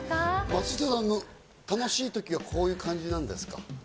松下さん、楽しい時はこういう感じなんですか？